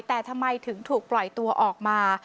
แต่ทำไมถึงถูกปล่อยตัวออกมา